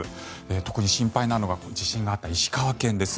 特に心配なのが地震があった石川県です。